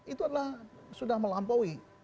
itu adalah sudah melampaui